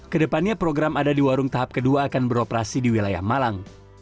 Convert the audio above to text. kedepannya program ada di warung tahap kedua akan beroperasi di wilayah malang